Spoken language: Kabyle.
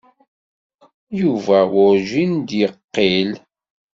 Yuba werǧin d-yeqqil.